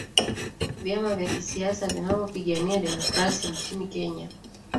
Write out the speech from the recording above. vyama vya kisiasa vinavyo pigania demokrasi nchini kenya